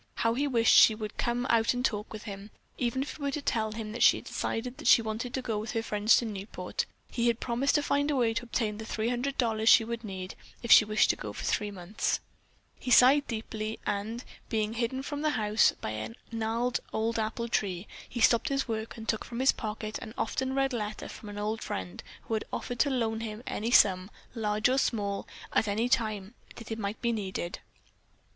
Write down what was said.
How he wished she would come out and talk with him, even if it were to tell him that she had decided that she wanted to go with her friends to Newport. He had promised to find a way to obtain the $300 she would need, if she wished to go for three months. He sighed deeply, and, being hidden from the house by a gnarled old apple tree, he stopped his work and took from his pocket an often read letter from an old friend who had offered to loan him any sum, large or small, at any time that it might be needed.